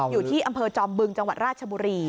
อยู่ที่อำเภอจอมบึงจังหวัดราชบุรี